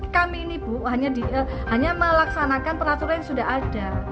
kami ini bu hanya melaksanakan peraturan yang sudah ada